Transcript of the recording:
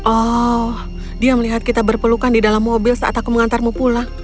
oh dia melihat kita berpelukan di dalam mobil saat aku mengantarmu pulang